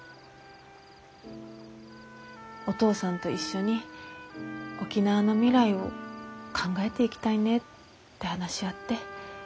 お父さんと一緒に沖縄の未来を考えていきたいねって話し合って。